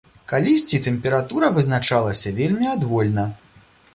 Калісьці тэмпература вызначалася вельмі адвольна.